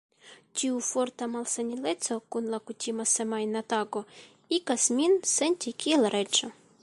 Tiu forta malsamileco kun la kutima semajna tago igas min senti kiel reĝo.